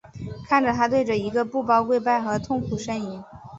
看着他对着一个布包跪拜和痛苦呻吟。